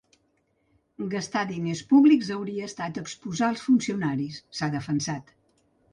Gastar diners públics hauria estat exposar els funcionaris, s’ha defensat.